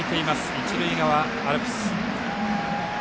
一塁側アルプス。